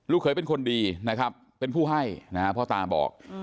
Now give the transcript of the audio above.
เคยเป็นคนดีนะครับเป็นผู้ให้นะฮะพ่อตาบอก